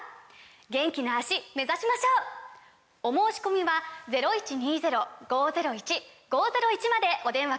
元気な脚目指しましょう！お申込みはお電話